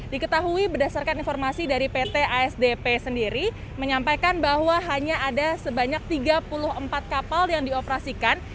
diketahui berdasarkan informasi dari pt asdp sendiri menyampaikan bahwa hanya ada sebanyak tiga puluh empat kapal yang dioperasikan